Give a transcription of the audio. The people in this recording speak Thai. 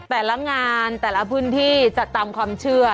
แต่ละงานแต่ละพื้นที่จัดตามความเชื่อ